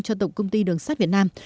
cho tổng công ty đường sắt việt nam